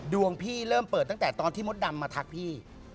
ดวงพี่เริ่มเปิดตั้งแต่ตอนที่มดดำมาทักพี่